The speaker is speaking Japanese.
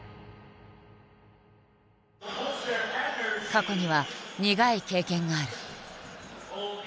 過去には苦い経験がある。